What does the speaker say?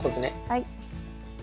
はい。